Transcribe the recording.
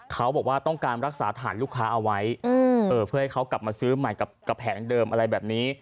เขาบอกว่าต้องการรักษาฐานลูกค้าเอาไว้เพื่อให้เขากลับมาซื้อใหม่กับแผงเดิมอะไรแบบนี้